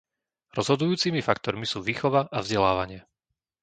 Rozhodujúcimi faktormi sú výchova a vzdelávanie.